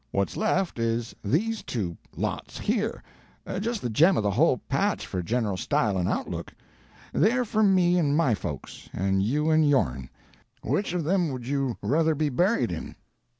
What's left is these two lots here just the gem of the whole patch for general style and outlook; they're for me and my folks, and you and yourn. Which of them would you ruther be buried in?"